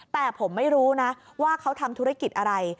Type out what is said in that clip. แต่ผมไม่รู้นะว่าเขาทำธุรกิจอะไร